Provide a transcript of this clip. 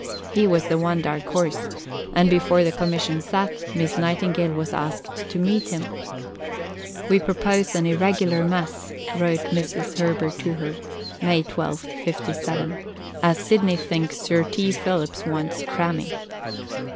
He was the one dark horse; and, before the Commission sat, Miss Nightingale was asked to meet him. "We propose an irregular mess," wrote Mrs. Herbert to her (May 12, '57), "as Sidney thinks Sir T. Phillips wants cramming."